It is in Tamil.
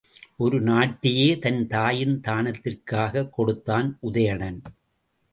ஒரு நாட்டையே தன் தாயின் தானத்திற்காகக் கொடுத்தான் உதயணன்.